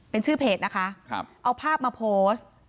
เป็นชื่อเพจนะคะเอาภาพมาโพสต์